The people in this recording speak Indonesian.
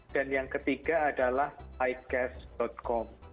dan yang ketiga adalah icash com